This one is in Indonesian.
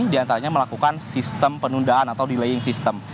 diantaranya melakukan sistem penundaan atau delaying system